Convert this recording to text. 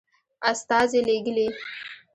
استازي لېږلي.